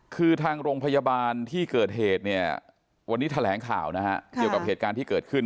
คือทางโรงพยาบาลที่เกิดเหตุเนี่ยวันนี้แถลงข่าวนะฮะเกี่ยวกับเหตุการณ์ที่เกิดขึ้น